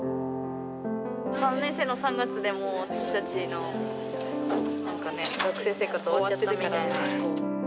３年生の３月で、もう私たちの学生生活は終わっちゃったみたい。